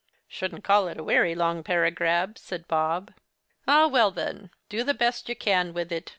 'Shouldn't call it a wery long paragrab,' said Bob. 'Ah, well, then! do the best you can with it!